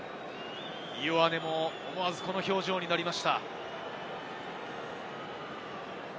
イオアネも思わず、この表情になりました。